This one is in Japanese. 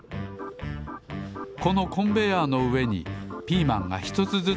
このコンベヤーのうえにピーマンがひとつずつならべられました。